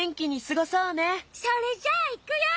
それじゃあいくよ。